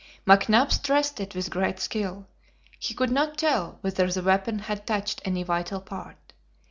McNabbs dressed it with great skill. He could not tell whether the weapon had touched any vital part.